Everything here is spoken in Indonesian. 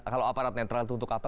kalau aparat netral itu untuk apa